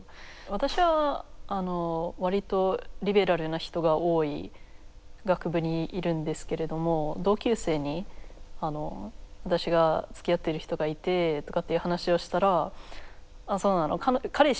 私は割とリベラルな人が多い学部にいるんですけれども同級生に私がつきあってる人がいてとかっていう話をしたら「ああそうなの彼氏？